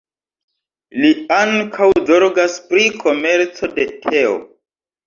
Li ankaŭ zorgas pri komerco de teo.